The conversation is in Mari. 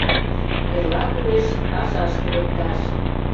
Эрла кӱлеш пашашке лекташ!